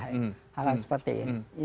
hal hal seperti ini